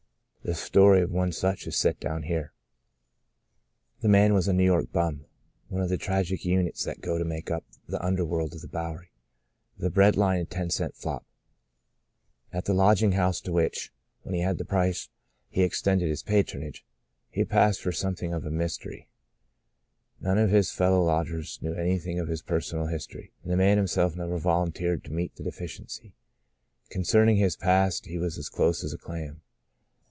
The story of one such is set down here. The man was a New York bum "— one of the tragic units that go to make up the un derworld of the Bowery, the bread line and the ten cent "flop." At the lodging house to which (when he had the price) he ex tended his patronage, he passed for some thing of a mystery. None of his fellow lodgers knew anything of his personal history, and the man himself never volun teered to meet the deficiency. Concerning his past, he was as close as a clam.